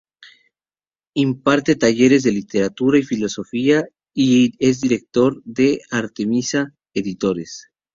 Imparte talleres de literatura y filosofía y es director de Artemisa Editores.